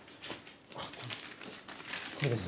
あこれです。